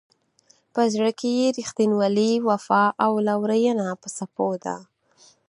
په زړه کې یې رښتینولي، وفا او لورینه په څپو ده.